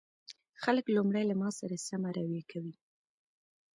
خلک لومړی له ما سره سمه رويه کوي